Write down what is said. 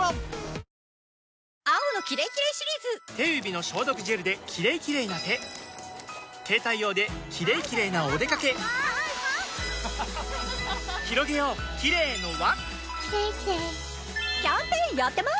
手指の消毒ジェルで「キレイキレイ」な手携帯用で「キレイキレイ」なおでかけひろげようキレイの輪キャンペーンやってます！